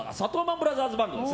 ブラザーズバンド。